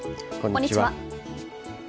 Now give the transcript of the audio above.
こんにちは。